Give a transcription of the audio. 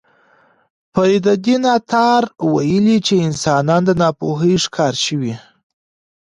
فریدالدین عطار ویلي چې انسانان د ناپوهۍ ښکار شوي.